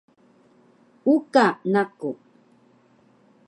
Uka naku